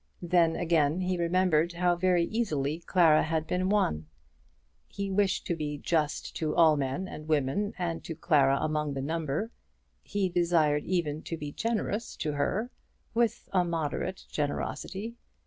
Then again he remembered how very easily Clara had been won. He wished to be just to all men and women, and to Clara among the number. He desired even to be generous to her, with a moderate generosity.